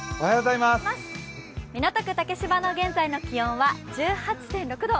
港区竹芝の現在の気温は１８．６度。